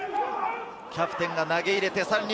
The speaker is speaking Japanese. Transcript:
キャプテンが投げ入れて。